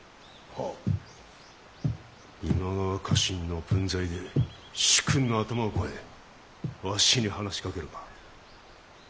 今川家臣の分際で主君の頭を越えわしに話しかけるか。